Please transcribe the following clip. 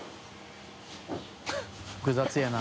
複雑やな。